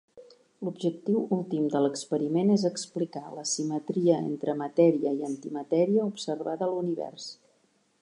L'objectiu últim de l'experiment és explicar l'asimetria entre matèria i antimatèria observada a l'Univers.